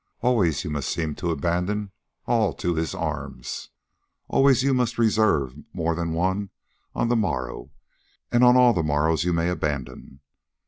Always you must seem to abandon all to his arms; always you must reserve more that on the morrow and on all the morrows you may abandon.